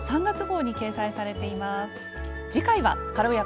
３月号に掲載されています。